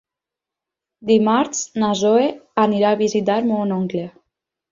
Dimarts na Zoè anirà a visitar mon oncle.